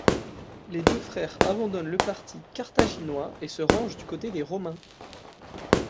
Les deux frères abandonnent le parti carthaginois et se rangent du côté des Romains.